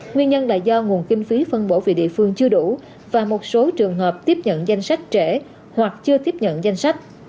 nguyên nhân là do nguồn kinh phí phân bổ về địa phương chưa đủ và một số trường hợp tiếp nhận danh sách trẻ hoặc chưa tiếp nhận danh sách